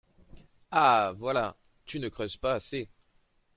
Ah ! voilà ! tu ne creuses pas assez.